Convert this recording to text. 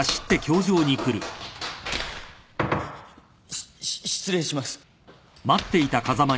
しし失礼します。